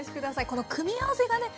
この組み合わせがね